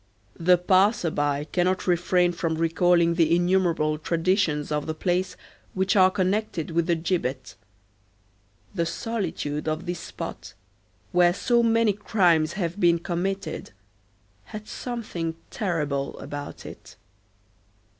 The passer by cannot refrain from recalling the innumerable traditions of the place which are connected with the gibbet. The solitude of this spot, where so many crimes have been committed, had something terrible about it.